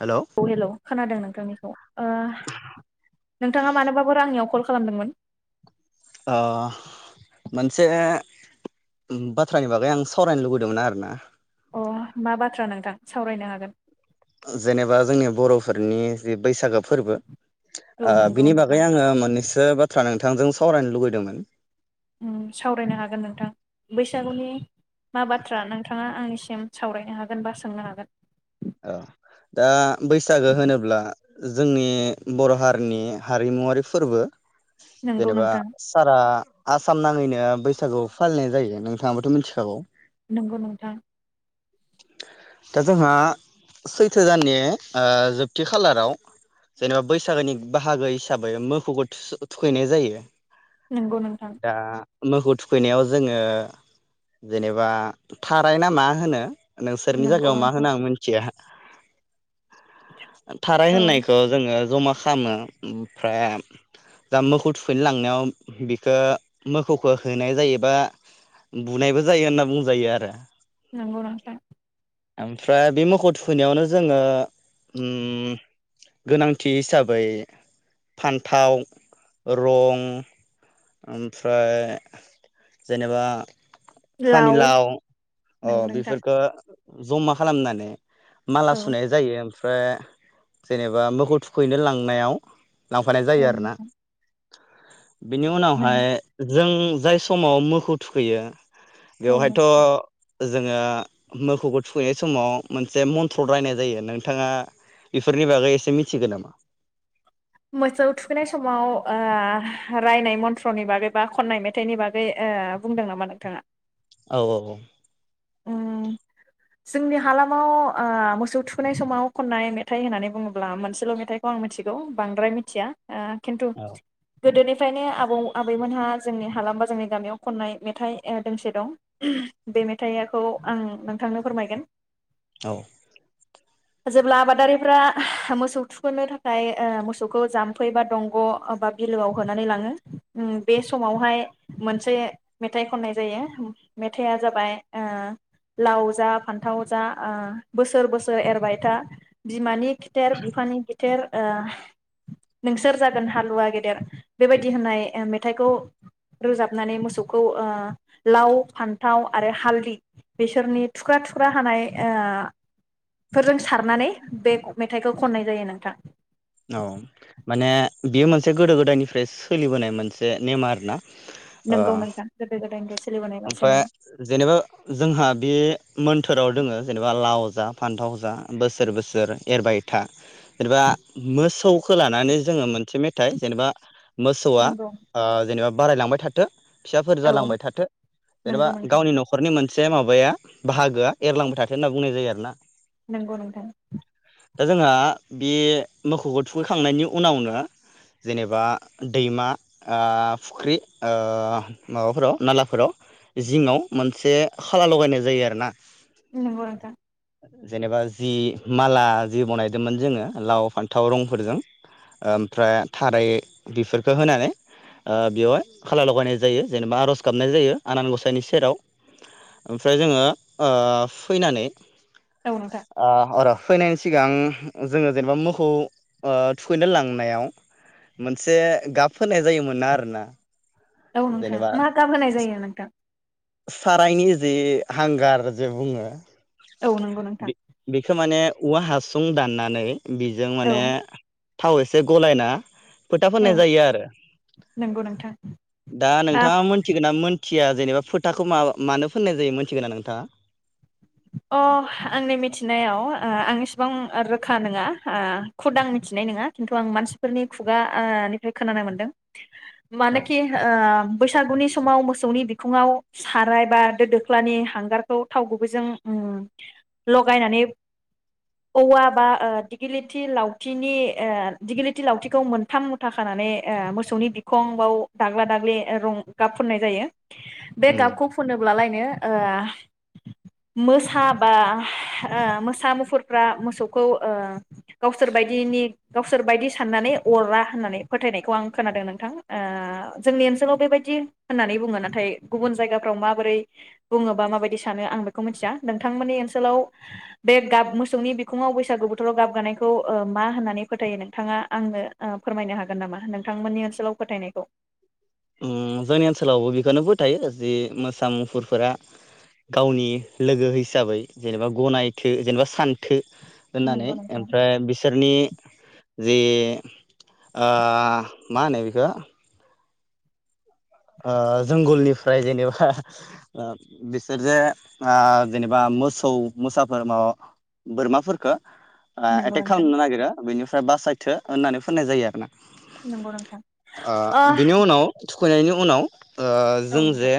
Hello औ hello खोनादों नोंथांनिखौ ओ नोंथाङा मानोबाफोर आंनियाव कल खालाम खालामदोंमोन? अ मोनसे बाथ्रानि बागै आं सावरायनो लुुबैदोंमोन आरो ना। अ मा बाथ्रा नोंथां सावरायनो हागोन। जेनेबा जोंनि बर'फोरनि जि बैसागो फोरबो। औ ओ नंगौ बिनि बागै नोंथां आङो मोननैसो बा बाथ्रा नोंथांजों सावरायनो लुुबैदोंमोन। होम सावरायनो हागोन नोंथां। बैसागुनि मा बाथ्रा नोंथाङा आंनिसि सिम सावरायनो हागोन बा सोंनो हागोन। औ दा बैसागो होनोब्ला जोंनि बर' हारिनि हारिमुवारि फोरबो। नंगौ जेनेबा नोंथां सारा आसाम नांङै [unintelligible] बैसागु फालिनाय जायो नोंथाङाबाथ' मिथिखागौ? नंगौ नोंथां। दा जोंहा सैथो दाननि जोबथि खालाराव जेनेबा बैसागोनि बाहागो हिसाबै मोखोखौ थु-थुखैनाय जायो। नंगौ नोंथां। दा मोखौ थुखैनायाव जोङो जेनेबा थाराय ना मा होनो? नोंसोरनि नंगौ जायगायाव मा नोंथां होनो आं मोन या [unintelligible] थाराय औ होननायखौ जोङो जमा खालामो ओमफ्राय दा मोखौ थुखैनो लांनायाव बिखौ मोखौखौ होनाय जायोबा बुनायबो जायो होनना बुंजायो आरो नंगौ नोंथां ओमफ्राय बि मो खौखो थुखैनायावनो जोङो ओम गोनांथि हिसाबै फान्थाव रं ओमफ्राय जेनेबा लाव फानिलााव अ नंगौ नोंथां बेसफोरखो जमा खालामनानै माला औ सुनाय जायो ओम ओमफ्राय जेनेबा मोखौ थुखैनो लांनायाव लांफानाय जायो औ आरोना नोंथां बिनि नों उनावहाय जों जाय समाव मोखौ थुखैयो औ नों बेवहायथ' जोङो मोखौखौ थुखैनाय समाव मोनसे मन्थ्र रायनाय जायो नोंथाङा बेफोरनि बागै एसे मिथिगोन नामा? मोसौ थुखैनाय समाव रायनाय मन्थ्रनि बागै बा खननाय मेथाइनि बागै ओ बुंदों नामा नोंथाङा? औ औ ओम जोंनि हालामाव मोसौ थुखोननाय समाव खननाय मेथाइ होननानै बुङोब्ला मोनसेल' मेथाइखौ आं मिथिगौ बांद्राय मिथिया ओ खिन्थु औ गोदोनि निफ्रायनो आबौ आबैमोनहा जोंनि हालाम बा जोंनि गामियाव खननाय मेथाइ ओ दोंसे दं बे मेथाइ खखौ आं नोंथांनो फोरमायगोन औ जेब्ला आबादारिफ्रा मोसौ थुखोननो थाखाय ओ मोसौखौ जाम्फै बा दंग' बा बिलोआव होनानै लाङो ओम बे समावहाय मोनसे मेथाइ खननाय जायो मेथाइआ जाबाय ओ लाव जा फान्थाव जा ओ बोसोर बोसोर एरबाय था बिमानि खिथेर बिफानि खि थेर ओ नोंसोर जागोन हालुवा गेदेर बेबायदि होननाय मेथाइखौ रोजाबनानै मोसौखौ ओ लाव फान्थाव आरो हाल दि बिसोरनि थुख्रा थुख्रा हानाय ओ फोरजों सारनानै बे मेथाइखौ खननाय जायो नोंथां। बियो मोनसे गोदो गोदायनिफ्राय सोलिबोनाय मोनसे नेमा आरो ना? ओ नोंगौ नोंथां गोदो गोदायनिफ्राय सोलिबोनाय मोनसे ओमफ्राय नेम जेनेबा जोंहा बे मोन बोथोराव दोङो जेनेबा लाव जा फान्थाव जा बोसोर बोसोर एरबाय था जेनेबा मोसौखौ लानानै जोङो मोनसे मेथाइ जेनेबा मोसौआ नोंगौ ओ जेनेबा बारायलांबाय थाथों फिसाफोर औ जालांबाय थाथो जेनेबा नोंगौ नोंथां गावनि न'खरनि मोन से माबाया बाहागोआ एरलांबाय थाथों होनना बुंनाय जायो आरो ना। नंगौ नोंथां। दा जोंहा बे मोखौखौ थुखैखांनायनि उनावनो जेनेबा दैमा ओ फुख्रि ओ माबाफोराव नालाफोराव जिङाव मोनसे खाला लगायनाय जायो आरो ना। नोंगौ नोंथां जेनेबा जि माला जि बनायदोंमोन जोङो लाव फान थाव रंफोरजों ओमफ्राय थाराइ बेफोरखौ होनानै ओ बेवहाय खाला लगायनाय जायो जेनेबा आरज गाबनाय जायो आनान गसाइनि सेराव। ओमफ्राय जोङो ओ फैनानै औ नोंथां ओ अर' फैनायनि सिगां जोङो जेनेबा मोखौ ओ थुखैनो लांनायाव मोनसे गाब होनाय जायोमोना आरोना औ नोंथां जेनेबा मा गाम होनाय जायो नोंथां? सारायनि जे हांगार जे बुङो। औ नोंगौ नोंथां बे बेखौ माने औवा हासु सुं दाननानै बेजों औ माने थाव एसे गलायना फोथा फोननाय औ जायो आरो नोंगौ नोंथां [inaudible] दा अ नोंथाङा मोनथिगोना मोन खिया जेनेबा फोथाखौ मा मानो फोननाय जायो मोनथिगोना नोंथाङा? अह आंनि मिथिनायाव ओ आं एसेबां ओ रोखा नङा ओ खुद मिथिनाय नङा खिन्थु आं मानसिफोरनि खुगा ओ निफ्राय खोनानो मोनदों। औ मानोखि ओम बैसागुनि समाव मोसौनि बिखुङाव साराय बा दो दोख्लानि हांगारखौ थाव गुबैजों लगायनानै औवा बा ओ दिगिलिथि लावथिनि ओ दिगिलिथि लावथिखौ मोनथाम मुथा खानानै ओ मोसौनि बिखं बाव दाग्ला दाग्लि रं गाब फुननाय जायो। बे उम गाबखौ फुनोब्लालाय नो ओ मोसा बा ओ मोसा मुफुरफ्रा मोसौखौ ओ गावसोर बायदिनि गावसोर बायदि साननानै अरा होननानै फोथायनायखौ आं खोनादों नोंथां ओ जोंनि ओनसोलाव बेबायदि होननानै बुङो नाथाय गुबुन जायगाफ्राव माबोरै बुङोबा माबायदि सानो आं बे खौ मिथिया नोंथांमोननि ओनसोलाव बे गाब मोसौनि बिखुङाव बैसागु बोथोराव गाबगानायखौ मा होननानै फोथायो नोंथाङा आंनो ओ फोरमायनो हागोन नामा नोंथांमोननि ओनसोलाव फोथायनायखौ? ओम जोंनि ओनसोलावबो बेखौनो फोथायो जि मोसा मुफुरफोरा गावनि लोगो हिसाबै जेनेबा गनायथो जेनेबा सानथो होनानै नंगौ नोंथां। ओमफ्राय बिसोरनि जे आ मा होनो बेखौ ओ जोंगलनिफ्राय जेनेबा बिसोर जे आ जेनेबा मोसौ मोसाफोर माबा बोरमाफोरफोरखो आ नंगौ एटेक नोंथां खालामनो नागिरो बिनि बासायथो होननानै फुनाय जायो आरोना। नंगौ नोंथां [inaudible] ओ आह बिनि उनाव फैनायनि उ उनाव ओ औ जों नोंथां जे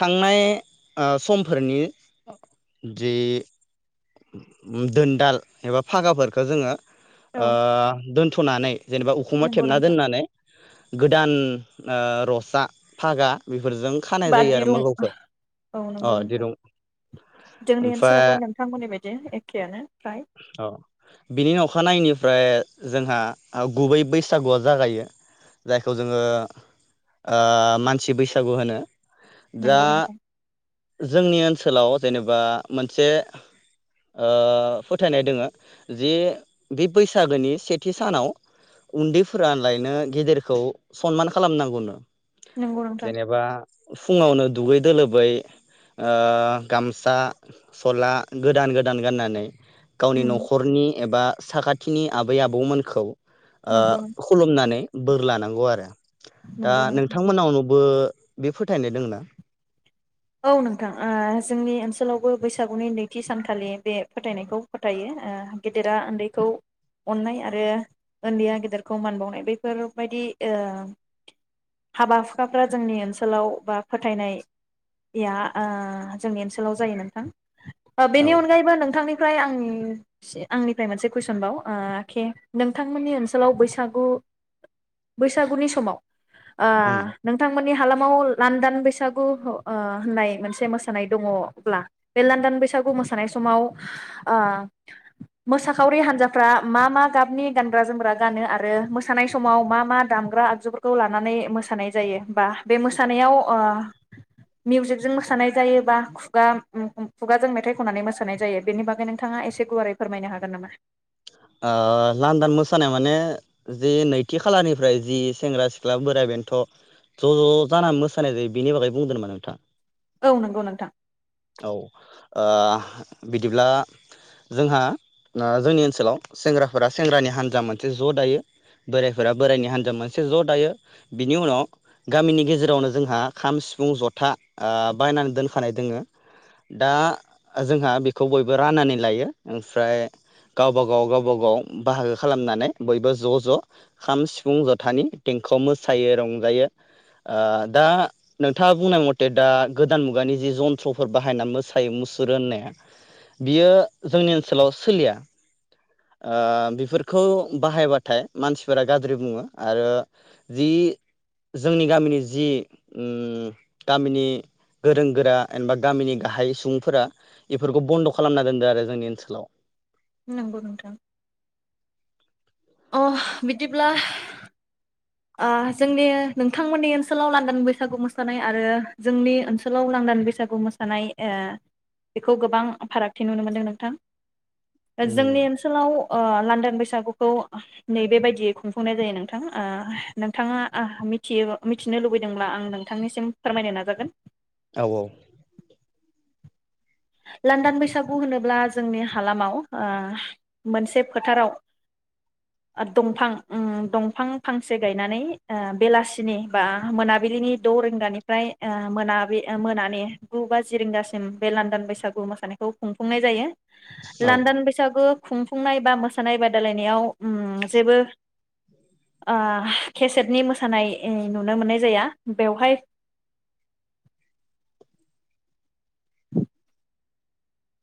थांनाय ओ समफोरनि जि दोनदाल एबा फागाफोरखौ जोङो औ ओ दोन थुनानै जेनेबा उखुमा नंगौ थेबना नोंथां दोननानै गोदान ओ रसा फागा बे फोरजों खानाय बा जायो आरो दिरुं मोगोखौ औ अ नंगौ नोंथां दिरुं जोंनि ओमफ्राय ओनसोलावबो अ नोंथांमोननि बायदि एखेयानो फ्राय बिनि अखानायनायनि ओमफ्राय जोंहा गुबै बैसागुआ जागायो जायखौ जोङो ओ मानसि बैसागु होनो। दा नंगौ नोंथां जोंनि ओनोल सोलाव जेनेबा मोनसे ओ फोथायनाय दोङो जे बे बैसागोनि सेथि सानाव उन्दैफोरालायनो गेदेरखौ सनमान खालामनांगौनो। नंगौ नोंथां जेनेबा फुङावनो दुगैद लोबै ओ गामसा सला - गोदान गोदान गाननानै गावनि उम न'खरनि एबा साखाथ थिनि आबै आबौमोनखौ ओ नंगौ खुलुमनानै बोर लानांगौ आरो दा नंगौ नोंथां। नोंथांमोनाव नु बो बे फोथायनाय दंना? औ नोंथां ओ जोंनि ओनसोलावबो बैसागुनि नैथि सानखालि बे फोथायनायखौ फोथायो ओ गेदेरा उन्दैखौ अननाय आरो उन्दैया गेदेरखौ मान बावनाय बेफोरबायदि ओ हाबा हुखाफ्रा जोंनि ओनसोलाव बा फोथायनाय या ओ जोंनि ओनसोलाव जायो नोंथां। ओ बेनि औ अनगायैबो नोंथांनिफ्राय आं से आंनिफ्राय मोनसे कुइसन बाव ओ केे नोंथांमोननि ओनसोलाव बैसागु बैसागुनि समाव ओ उम नोंथांमोन नि हालामाव लानदान बैसागु ह ओ होननाय मोनसे मोसानाय दङब्ला बे लान्दान बैसागु मोसानाय समाव ओ मोसाखावरि हान्जाफ्रा मा मा गाबनि गानग्रा जोमग्रा गानो आरो मोसानाय समाव मा मा दामग्रा आगजुफोरखौ लानानै मोसानाय जायो बा बे मोसानायाव ओ मिउजिकजों मोसानाय जायोबा खुगा खुगाजों मेथाइ खननानै मोसानाय जायो बेनि बागै नोंथाङा एसे गुवारै फोरमायनो हागोन नामा? लान्दान मोसानाया माने जि नैथि खालारनिफ्राय जि सेंग्रा सिख्ला बोराय बेनोथ' ज' ज' जानानै मोसानाय जायो बिनि बागै बुंदों नामा नोंथाङा? औ नंगौ नोंथां। ओ बिदिब्ला जोंहा जोंनि ओन सोलाव सेंग्राफोरा सेंग्रानि हान्जा मोनसे ज' दायो बोराइफोरा बोराइनि हान्जा मोनसे ज' दायो बिनि उनाव गामिनि गेजेरावनो जोंहा खाम सिफुं जथा ओ बायनानै दोनखानाय दोङो दा जोंहा बेखौ बयबो राननानै लायो ओमफ्राय गावबा गाव गावबा गाव बाहागो खालामनानै बयबो ज' ज' खाम सिफुं जथानि देंखोआव मोसायो रंजायो ओ दा नोंथाङा बुंनाय मथे दा गोदान मुगानि जि जन्थ्र'फोर बाहायना मोसायो मुसुर होननाया बियो जोंनि ओनसोलाव सोलिया। ओ बेफोरखौ बाहायबाथाय मानसिफोरा गाज्रि बुङो आरो जि जोंनि गामिनि जि ओम गामिनि गोरों गोरा एबा गामिनि गाहाय सुबुंफोरा बेफोरखौ बन्द' खालामना दोन्दों आरो जोंनि ओनसोलाव। नोंगौ नोंथा। अ बिदिब्ला आ जोंनि नोंथांमोननि ओनसोलाव लांदां बैसागु मोसानाय आरो जोंनि ओनसोलाव लांदां बैसागु मोसानाय ओ बेखौ गोबां फारागथि नुनो मोनदों नोंथां। जोंनि उम ओनसोलाव अ लान्दां बैसाग बिसागुखौ नैबेबायदियै खुंफुंनाय जायो नोंथां ओ नोंथाङा मिथियो मिथिनो लुबैदोंब्ला आं नोंथांनिसिम फोरमायनो नाजागोन। औ औ। लांन्दां बैसागु होनोब्ला जोंनि हालामाव ओ मोनसे फोथाराव ओ दंफां उम दंफां फांसे गायनानै ओ बेलासिनि बा मोनाबिलिनि द रिंगानिफ्राय ओ मोनाबि मोनानि गु बााजि रिंगासिम बे लान्दां बै बैसागु मोसानायखौ खुंफुंनाय जायो। औ लानदान बैसागु खुंफुंनाय बा मोसानाय बादायलायनायाव उम जेबो ओ केसेटनि मोसानाय ओ नुनो मोननाय जाया बेवहाय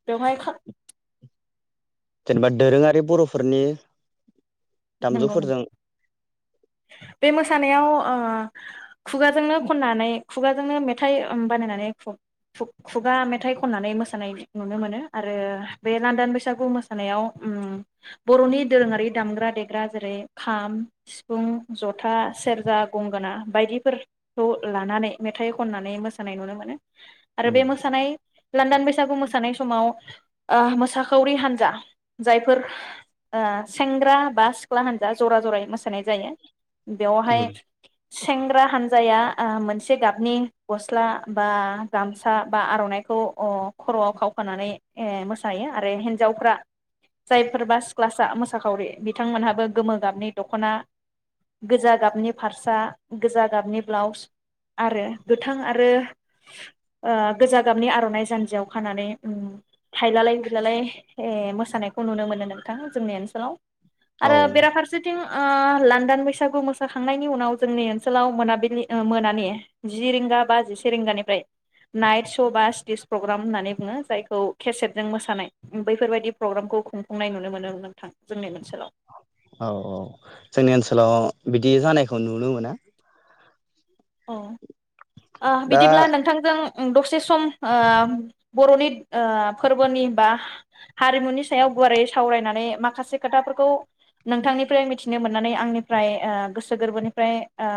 बेवहाय खा जेनेबा दोरोङारि बर'फोरनि नंगौ दामजुफोरजों नोंथां बे मोसानायाव ओ खुगाजोंनो खननानै खुगाजोंनो मेथाइ उम बानायनानै खुग-खुग-खुगा मेथाइ खननानै मोसानाय नुनो मोनो आरो बे लान्दान बैसागु मोसानायाव उम बर'नि दोरोङारि दामग्रा देग्रा जेरै खाम सिफ फुं, जथा, सेरजा, गंगोना बायदिफोरखौ लानानै मेथाइ खननानै मोसानाय नुनो मोनो आरो बे उम मोसानाय लान्दान बैसागु मोसानाय समाव ओ मोसाखावरि हान्जा जायफोर ओ सेंग्रा बा सिख्ला हान्जा जरा जरायै मोस मोसानाय जायो बेयावहाय उम सेंग्रा हानजाया ओ मोनसे गाबनि गस्ला बा गामसा बा आर'नाइखौ अ खर'आव खाव खानानै ए मोसायो आरो हिन्जावफ्रा जायफोरबा सिख्लासा मोसाखावरि बिथांमोनहाबो गोमो गाबनि दख दख'ना गोजा गाबनि फारसा गोजा गाबनि ब्लाउस आरो गोथां आरो ओ गोजा गाबनि आर'नाइ जान्जियाव खानानै उम हायलालाय हुयलालाय ओ मोसानायखौ नुनो मोनो नोंथां जोंनि ओनसोलाव। औ आरो बेराफारसे ओ लान्दान बैसागु मोसाखांनायनि उनाव जोंनि ओनसोलाव मोनाबिलि ओ मोनानि जि रिंगा बा जिसे रिंगानिफ्राय नाइट श' बा स्टेज प्रग्राम होननानै बुङो जायखौ केसेटजों मोसानाय बैफोरबायदि प्रग्रामखौ खुंफुंनाय नुनो मोनो नोंथां जोंनि ओनसोलाव। औ औ जोंनि ओनसोलाव बिदि जानायखौ नुनो मोना। औ। ओ दा बिदिब्ला नोंथांजों दसे सम ओ बर'नि ओ फोरबोनि बा हारिमुनि सायाव गुवारै सावरायनानै माखासे खोथाफोरखौ नोंथांनिफ्राय मिथिनो मोननानै आंनिफ्राय ओ गोसो गोरबोनिफ्राय ओ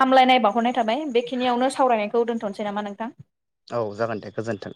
हामलायनाय बावहरनाय थाबाय बेखिनियावनो सावरायनायखौ दोनथ'नसै नामा नोंथां? औ जागोन दे गोजोनथों।